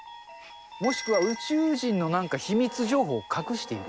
もしくは、宇宙人のなんか秘密情報を隠している。